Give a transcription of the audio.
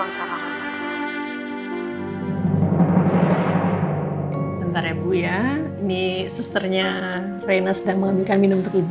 sebentar ya bu ya ini susternya reina sedang mengambilkan minum untuk ibu